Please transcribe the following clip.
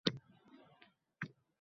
Ko’z yosh dema, ko’nglim quvonchi.